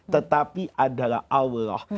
tetapi adalah allah